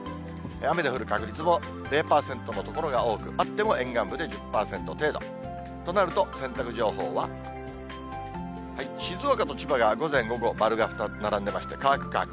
雨の降る確率も０％の所が多く、あっても沿岸部で１０％程度。となると、洗濯情報は、静岡と千葉が午前、午後、丸が並んでいまして、乾く、乾く。